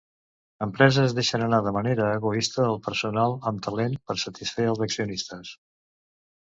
Empreses deixen anar de manera egoista el personal amb talent per satisfer els accionistes.